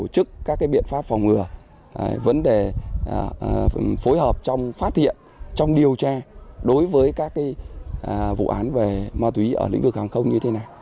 chức các biện pháp phòng ngừa vấn đề phối hợp trong phát hiện trong điều tra đối với các vụ án về ma túy ở lĩnh vực hàng không như thế này